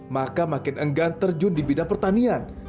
maka makin enggan terjun di bidang pertanian